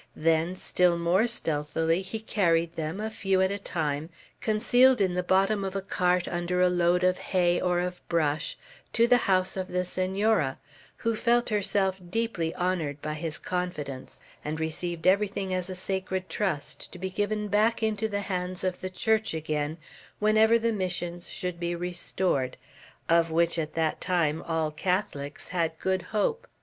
Then, still more stealthily, he carried them, a few at a time, concealed in the bottom of a cart, under a load of hay or of brush, to the house of the Senora, who felt herself deeply honored by his confidence, and received everything as a sacred trust, to be given back into the hands of the Church again, whenever the Missions should be restored, of which at that time all Catholics had good hope.